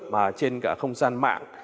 mà trên cả không gian mạng